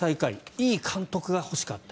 いい監督が欲しかった。